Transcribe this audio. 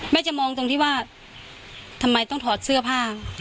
จะมองตรงที่ว่าทำไมต้องถอดเสื้อผ้า